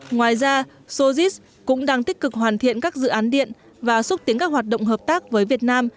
ngoài ra sojit cũng đang tích cực hoàn thiện các dự án điện và xúc tiến các hoạt động hợp tác với việt nam